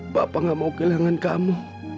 bapak gak mau kehilangan kamu